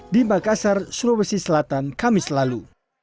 di makassar sulawesi selatan kamis lalu